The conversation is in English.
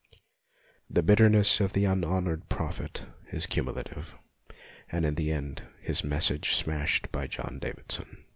The bitterness of the unhonoured prophet is cumulative, and in the end his message smashed John Davidson.